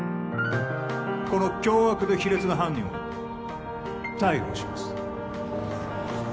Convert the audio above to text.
この凶悪で卑劣な犯人を逮捕します